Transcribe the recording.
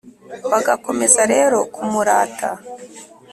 bagakomeza rero kumurata.